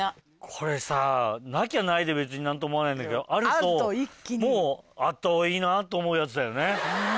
これさなきゃないで別に何とも思わないんだけどあるともうあった方がいいなと思うやつだよね。